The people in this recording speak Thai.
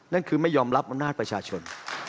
นั่นคือไม่ยอมรับอำนาจประชาชน